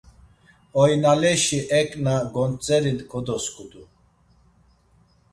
Oinaleşi eǩna gontzeri kodosǩudu.